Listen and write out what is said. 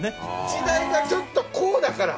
時代がちょっとこうだから。